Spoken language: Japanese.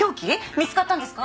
見つかったんですか？